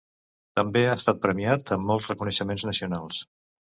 També ha estat premiat amb molts reconeixements nacionals.